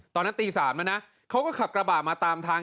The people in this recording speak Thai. ตอนนั้นตี๓แล้วนะเขาก็ขับกระบะมาตามทาง